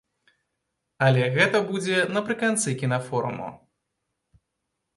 Але гэта будзе напрыканцы кінафоруму.